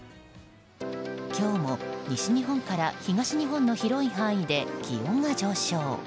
今日も西日本から東日本の広い範囲で気温が上昇。